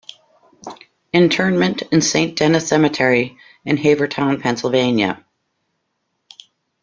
Interment in Saint Denis Cemetery in Havertown, Pennsylvania.